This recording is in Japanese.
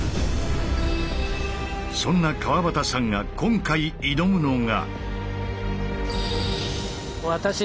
そんな川端さんが今回挑むのが。